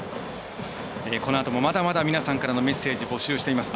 このあともまだまだ皆さんからのメッセージ募集しています。